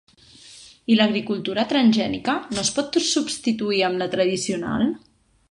I l’agricultura transgènica no es pot substituir amb la tradicional?